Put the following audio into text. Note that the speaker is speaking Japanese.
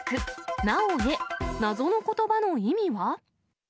なおエ、謎のことばの意味は？